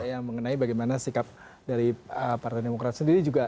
yang mengenai bagaimana sikap dari partai demokrat sendiri juga